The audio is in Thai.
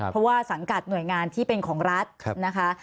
เพราะว่าสังกัดหน่วยงานที่เป็นของรัฐนะคะ